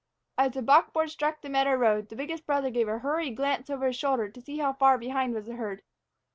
As the buckboard struck the meadow road, the biggest brother gave a hurried glance over his shoulder to see how far behind was the herd.